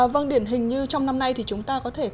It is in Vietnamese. vâng điển hình như trong năm nay chúng ta có thể thay đổi